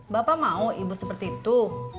bapak mau seperti itu